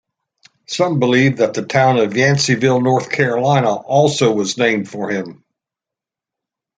Some believe that the town of Yanceyville, North Carolina, also was named for him.